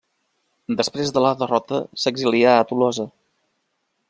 Després de la derrota s'exilià a Tolosa.